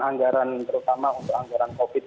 anggaran terutama untuk anggaran covid